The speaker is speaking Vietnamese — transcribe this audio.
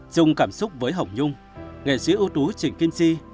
chung cảm xúc với hồng nhung nghệ sĩ ưu tú trịnh kim si